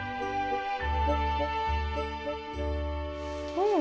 うん。